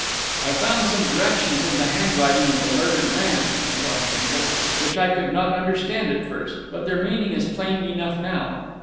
"I found some directions in the handwriting of the murdered man," went on Gimblet, "which I could not understand at first. But their meaning is plain enough now.